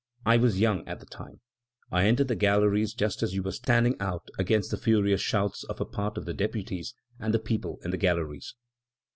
I was young at the time. I entered the galleries just as you were standing out against the furious shouts of a part of the deputies and the people in the galleries.'"